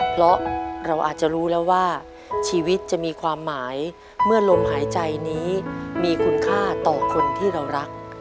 เพราะเราอาจจะรู้แล้วว่าชีวิตจะมีความหมายเมื่อลมหายใจนี้มีคุณค่าต่อคนที่เรารัก